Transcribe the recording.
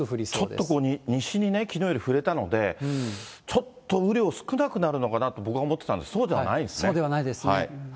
ちょっと、西にね、きのうより振れたので、ちょっと雨量少なくなるのかなって僕は思ってたんですが、そうでそうではないですね。